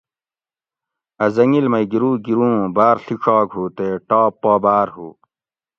اۤ حٔنگیل مئ گیرو گیروں بار ڷیڄاگ ھو تے ٹاپ پا باۤر ھو